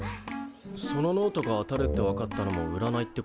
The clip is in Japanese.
そのノートが当たるってわかったのもうらないってこと？